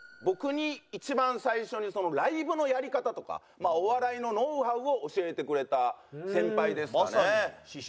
僕に一番最初にライブのやり方とかお笑いのノウハウを教えてくれた先輩ですかね。